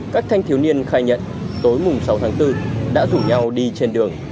các thanh thiếu niên khai nhận tối sáu tháng bốn đã rủ nhau đi trên đường